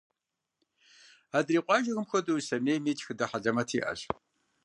Адрей къуажэхэм хуэдэу, Ислъэмейми тхыдэ хьэлэмэт иӏэщ.